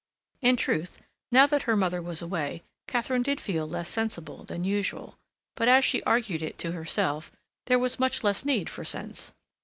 In truth, now that her mother was away, Katharine did feel less sensible than usual, but as she argued it to herself, there was much less need for sense.